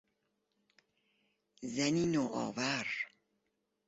زنی نوآور